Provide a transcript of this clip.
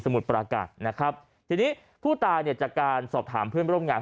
มุดปราการนะครับทีนี้ผู้ตายเนี่ยจากการสอบถามเพื่อนร่วมงาน